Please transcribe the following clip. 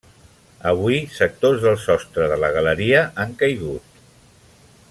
Avui sectors del sostre de la galeria han caigut.